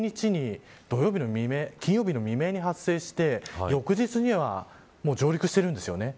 金曜日の未明に発生して翌日には上陸してるんですよね。